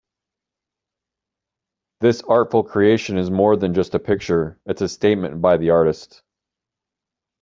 This artful creation is more than just a picture, it's a statement by the artist.